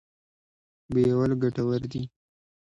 بویول ګټور دی.